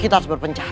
kita harus berpencar